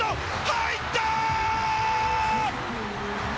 入った！